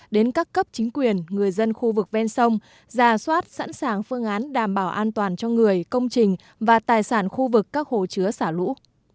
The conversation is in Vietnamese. đến các cấp chính quyền người dân khu vực ven sông giả soát sẵn sàng phương án đảm bảo an toàn cho người công trình và tài sản khu vực các hồ chứa xả lũ